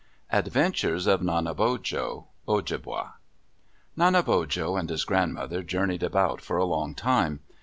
ADVENTURES OF NANEBOJO Ojibwa Nanebojo and his grandmother journeyed about for a long time.